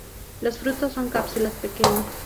Los frutos son cápsulas pequeñas.